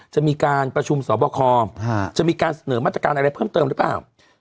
จะมีการประชุมสอบคอจะมีการเสนอมาตรการอะไรเพิ่มเติมหรือเปล่า